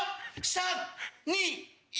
３・２・１。